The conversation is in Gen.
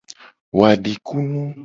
Wo adikunu.